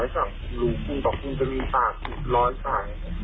จะมีปากหิดร้อยตาย